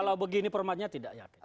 kalau begini formatnya tidak yakin